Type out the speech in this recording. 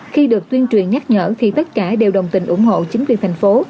khi được tuyên truyền nhắc nhở thì tất cả đều đồng tình ủng hộ chính quyền thành phố